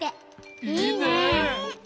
いいね！